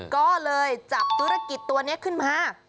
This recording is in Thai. ก็เลยจับธุรกิจตัวนี้ขึ้นมา